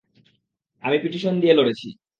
আমি পিটিশন দিয়ে লড়েছি।